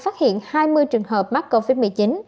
phát hiện hai mươi trường hợp mắc covid một mươi chín